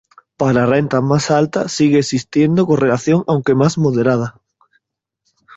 Para rentas más altas sigue existiendo correlación aunque más moderada.